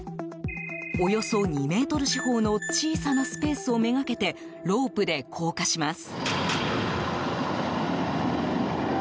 およそ２ｍ四方の小さなスペースを目がけてロープで降下します。